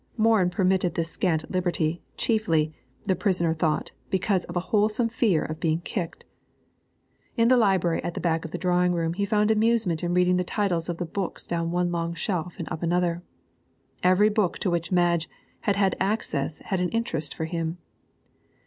Morin permitted this scant liberty chiefly, the prisoner thought, because of a wholesome fear of being kicked. In the library at the back of the drawing room he found amusement in reading the titles of the books down one long shelf and up another. Every book to which Madge had had access had an interest for him.